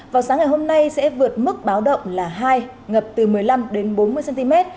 vào sáng ngày hôm nay sẽ vượt mức báo động là hai ngập từ một mươi năm đến bốn mươi cm